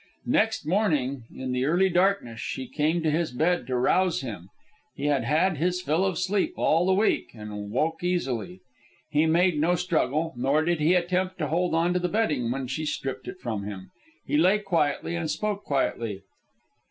Next morning, in the early darkness, she came to his bed to rouse him. He had had his fill of sleep all the week, and awoke easily. He made no struggle, nor did he attempt to hold on to the bedding when she stripped it from him. He lay quietly, and spoke quietly.